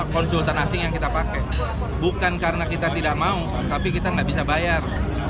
konsultan asing yang kita pakai bukan karena kita tidak mau tapi kita nggak bisa bayar